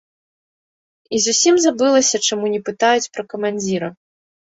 І зусім забылася, чаму не пытаюць пра камандзіра.